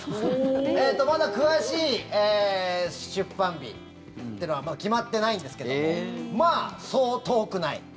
まだ、詳しい出版日というのは決まってないんですけどもまあ、そう遠くない。